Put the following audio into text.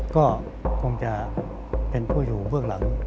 ก็คงจะเป็นผู้อยู่เบื้องหลัง